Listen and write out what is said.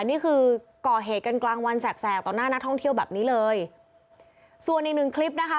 นี่คือก่อเหตุกันกลางวันแสกแสกต่อหน้านักท่องเที่ยวแบบนี้เลยส่วนอีกหนึ่งคลิปนะคะ